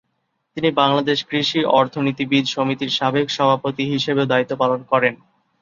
তিনি বাংলাদেশ কৃষি অর্থনীতিবিদ সমিতির সাবেক সভাপতি হিসেবেও দায়িত্ব পালন করেন।